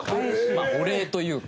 まあお礼というか。